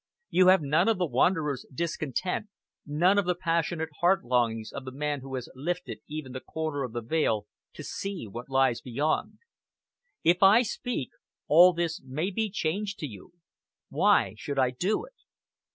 You have none of the wanderer's discontent, none of the passionate heart longings of the man who has lifted even the corner of the veil to see what lies beyond. If I speak, all this may be changed to you. Why should I do it?"